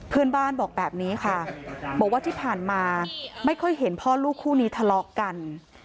เพื่อนบ้านบอกแบบนี้ค่ะบอกว่าที่ผ่านมาไม่ค่อยเห็นพ่อลูกคู่นี้ทะเลาะกัน